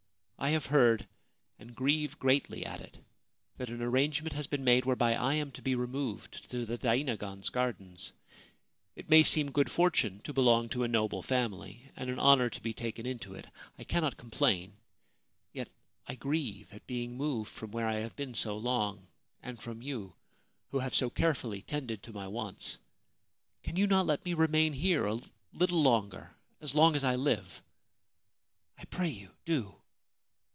I have heard — and grieve greatly at it — that an arrangement has been made whereby I am to be removed to the dainagon's gardens. It may seem good fortune to belong to a noble family, and an honour to be taken into it. I cannot complain ; yet I grieve at being moved from where I have been so long, and from you, who have so carefully tended to my wants. Can you not let me remain here a little longer — as long as I live ? I pray you, do